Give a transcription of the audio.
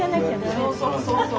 そうそうそうそう。